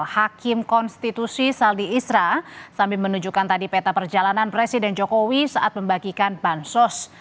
hakim konstitusi saldi isra sambil menunjukkan tadi peta perjalanan presiden jokowi saat membagikan bansos